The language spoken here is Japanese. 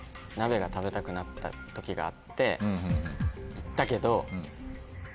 行ったけど。